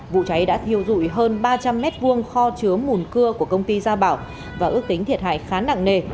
vụ cháy đã thiêu dụi hơn ba trăm linh m hai kho chứa mùn cưa của công ty gia bảo và ước tính thiệt hại khá nặng nề